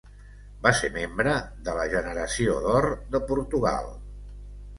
Va ser membre de la "Generació d'or de Portugal".